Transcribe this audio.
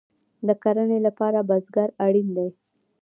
د کرنې لپاره بزګر اړین دی